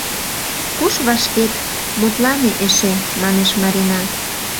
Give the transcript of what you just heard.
— Куш вашкет, мутлане эше, — манеш Марина.